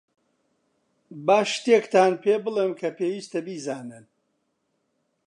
با شتێکتان پێبڵێم کە پێویستە بیزانن.